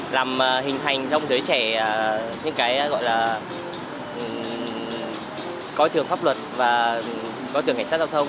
làm hình thành trong giới trẻ những cái gọi là coi thường pháp luật và coi thường cảnh sát giao thông